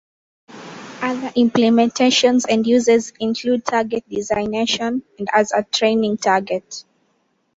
Other implementations and uses include target designation and as a training target.